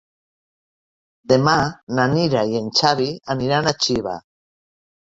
Demà na Mira i en Xavi aniran a Xiva.